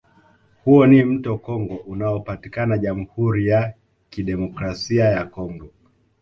Huo ni mto Congo unaopatikana Jamhuri ya Kidemokrasia ya Congo